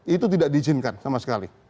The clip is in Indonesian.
itu tidak diizinkan sama sekali